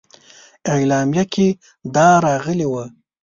اعلامیه کې دا راغلي وه.